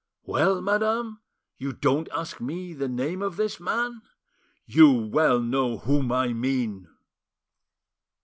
Well, madame, you don't ask me the name of this man! You well know whom I mean!"